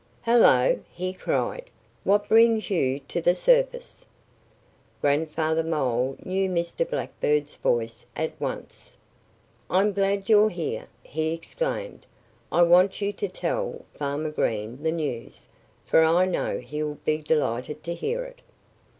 "Hello!" he cried. "What brings you to the surface?" Grandfather Mole knew Mr. Blackbird's voice at once. "I'm glad you're here!" he exclaimed. "I want you to tell Farmer Green the news. For I know he'll be delighted to hear it."